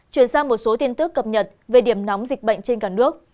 chuyển sang một số tin tức cập nhật về điểm nóng dịch bệnh trên cả nước